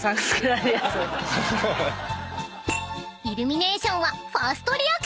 ［イルミネーションは］